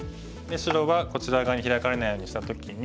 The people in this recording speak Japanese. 白はこちら側にヒラかれないようにした時に。